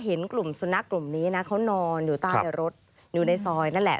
เห็นกลุ่มสุนัขกลุ่มนี้นะเขานอนอยู่ใต้รถอยู่ในซอยนั่นแหละ